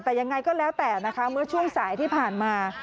แต่ยังไงก็แล้วแต่นะคะเมื่อช่วงสายที่ผ่านมา